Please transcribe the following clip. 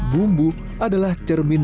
bumbu adalah cermin